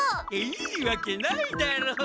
いいわけないだろ。